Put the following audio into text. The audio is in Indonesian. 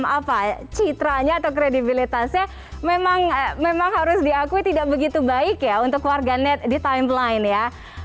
apa citranya atau kredibilitasnya memang harus diakui tidak begitu baik ya untuk warganet di timeline ya